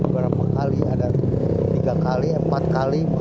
berapa kali ada tiga kali empat kali